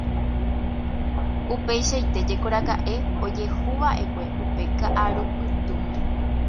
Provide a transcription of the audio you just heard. Upeichaite jekoraka'e ojehuva'ekue upe ka'arupytũme.